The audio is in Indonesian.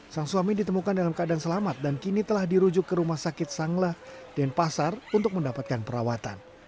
sang suami ditemukan dalam keadaan selamat dan kini telah dirujuk ke rumah sakit sanglah denpasar untuk mendapatkan perawatan